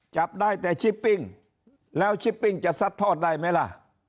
จับได้แต่ชิปปิ้งแล้วชิปปิ้งจะซัดทอดได้ไหมล่ะ